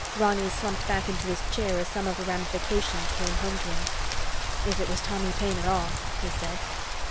Ronny slumped back into his chair as some of the ramifications came home to him. "If it was Tommy Paine at all," he said.